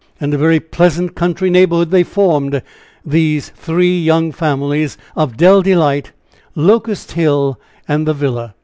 And a very pleasant country neighborhood they formed these three young families of Dell Delight, Locust Hill and the villa.